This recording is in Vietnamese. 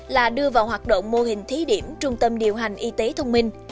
là đưa vào hoạt động mô hình thí điểm trung tâm điều hành y tế thông minh